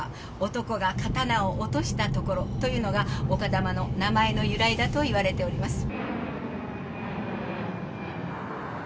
「男が刀を落とした所」というのが丘珠の名前の由来だといわれております。